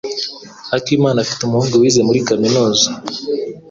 Akimana afite umuhungu wize muri kaminuza.